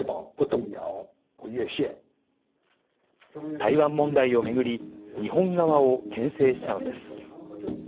台湾問題を巡り、日本側をけん制したのです。